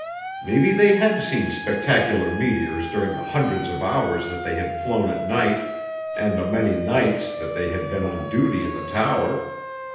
Maybe they had seen spectacular meteors during the hundreds of hours that they had flown at night and the many nights that they had been on duty in the tower.